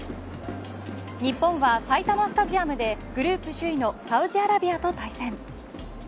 日本は埼玉スタジアムでグループ首位のサウジアラビアと対戦。